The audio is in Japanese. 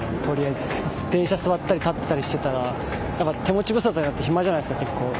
電車座ったり立ってたりしてたら手持ち無沙汰になってヒマじゃないですか結構。